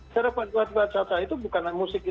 secara pariwisata itu bukan hanya musik